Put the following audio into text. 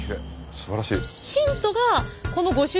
すばらしい。